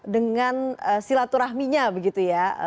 dengan silaturahminya begitu ya